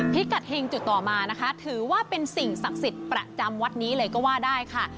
พิกัดเฮงจุดต่อมานะคะถือว่าเป็นสิ่งศักดิ์สิทธิ์ประจำวัดนี้เลยก็ว่าได้ค่ะ